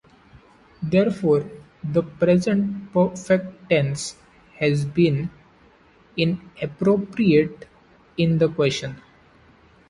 Therefore, the present perfect tense "has been" is appropriate in the question.